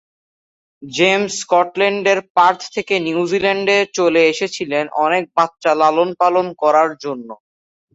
James স্কটল্যান্ডের Perth থেকে নিউজিল্যান্ডে চলে এসেছিলেন অনেক বাচ্চা লালন -পালন করার জন্য।